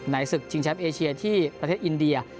ศึกชิงแชมป์เอเชียที่ประเทศอินเดีย